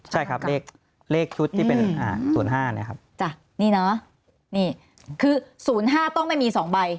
ใช่ครับเลขชุดที่เป็น๐๕เนี่ยครับจ้ะนี่เนอะนี่คือ๐๕ต้องไม่มี๒ใบ